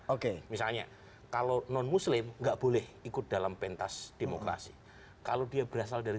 oke misalnya kalau non muslim enggak boleh ikut dalam pentas demokrasi kalau dia berasal dari